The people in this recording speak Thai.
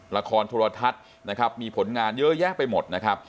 โทรทัศน์นะครับมีผลงานเยอะแยะไปหมดนะครับ